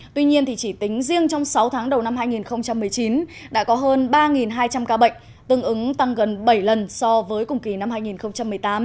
tuy nhiên chỉ tính riêng trong sáu tháng đầu năm hai nghìn một mươi chín đã có hơn ba hai trăm linh ca bệnh tương ứng tăng gần bảy lần so với cùng kỳ năm hai nghìn một mươi tám